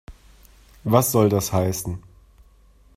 Was soll das heißen?